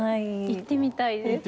行ってみたいです。